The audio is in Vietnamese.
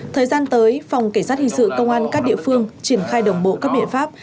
thời gian tới phòng cảnh sát hình sự công an các địa phương triển khai đồng bộ các biện pháp